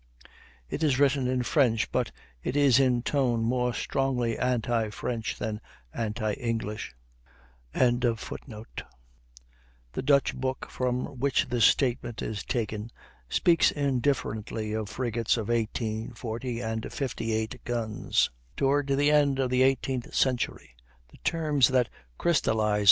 It is written in French, but is in tone more strongly anti French than anti English.] The Dutch book from which this statement is taken speaks indifferently of frigates of 18, 40, and 58 guns. Toward the end of the eighteenth century the terms had crystallized.